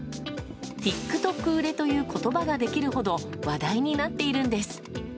ＴｉｋＴｏｋ売れという言葉ができるほど話題になっているんです。